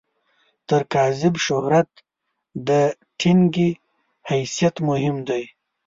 تر کاذب شهرت، د ټنګي حیثیت مهم دی.